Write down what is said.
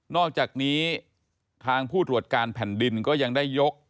อกจากนี้ทางผู้ตรวจการแผ่นดินก็ยังได้ยก